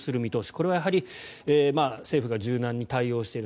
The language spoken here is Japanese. これはやはり政府が柔軟に対応している。